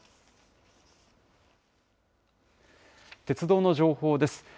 鉄道の情報です。